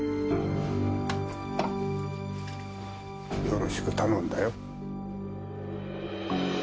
よろしく頼んだよ。